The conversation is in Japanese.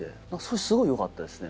すごいよかったですね